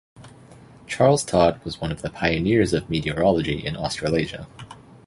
Charles Todd was one of the pioneers of meteorology in Australasia.